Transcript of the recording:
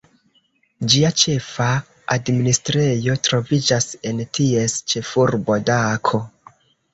Ĝia ĉefa administrejo troviĝas en ties ĉefurbo Dako.